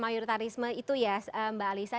mayoritarisme itu ya mbak alisa